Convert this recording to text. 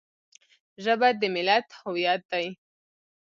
ژبه د ملت هویت دی